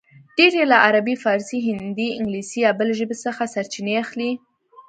ډېر یې له عربي، فارسي، هندي، انګلیسي یا بلې ژبې څخه سرچینې اخلي